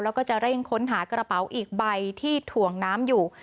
แล้วก็จะเร่งค้นหากระเป๋าอีกใบที่ถ่วงน้ำอยู่